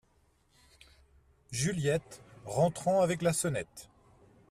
Juliette , rentrant avec la sonnette.